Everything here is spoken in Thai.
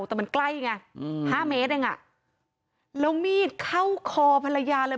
แต่มันใกล้ไง๕เมตรแล้วมีดเข้าคอภรรยาเลย